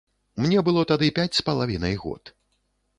Мне было тады пяць з палавінай год.